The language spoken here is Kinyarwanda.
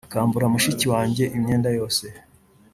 akambura mushiki wanjye imyenda yose